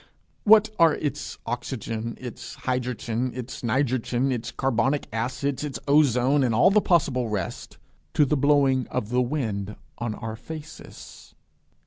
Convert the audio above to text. What are its oxygen, its hydrogen, its nitrogen, its carbonic acid, its ozone, and all the possible rest, to the blowing of the wind on our faces?